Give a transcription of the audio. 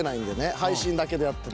配信だけでやってる。